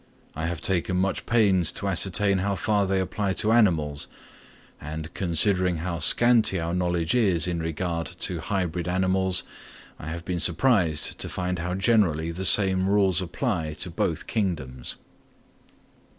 I have taken much pains to ascertain how far they apply to animals, and, considering how scanty our knowledge is in regard to hybrid animals, I have been surprised to find how generally the same rules apply to both kingdoms.